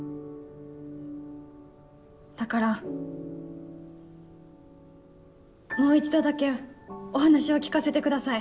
だからもう一度だけお話を聞かせてください。